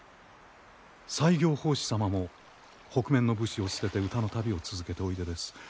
西行法師様も北面の武士を捨てて歌の旅を続けておいでです。